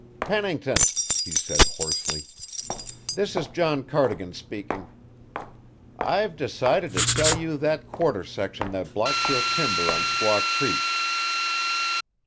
"Pennington," he said hoarsely, "this is John Cardigan speaking. I've decided to sell you that quarter section that blocks your timber on Squaw Creek."